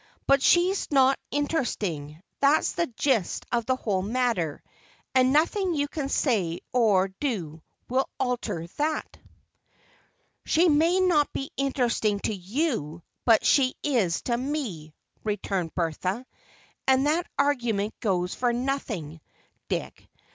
But she's not interesting—that's the gist of the whole matter, and nothing you can say or do will alter that." "She may not be interesting to you, but she is to me," returned Bertha. "And that argument goes for nothing, Dick.